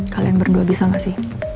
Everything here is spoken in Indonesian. kalian berdua bisa gak sih